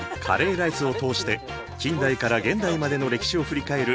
カレーライスを通して近代から現代までの歴史を振り返る